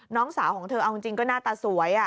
น้องสาวของเธอเอาจริงก็หน้าตาสวย